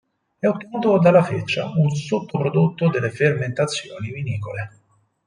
È ottenuto dalla feccia, un sottoprodotto delle fermentazioni vinicole.